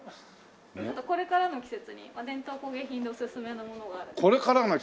これからの季節に伝統工芸品でおすすめのものがあるので。